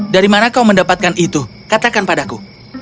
dari mana kau mendapatkan itu katakan padaku